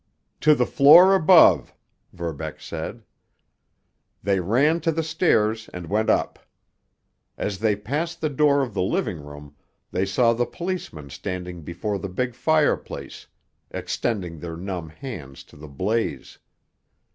"To the floor above!" Verbeck said. They ran to the stairs and went up. As they passed the door of the living room, they saw the policemen standing before the big fireplace, extending their numb hands to the blaze.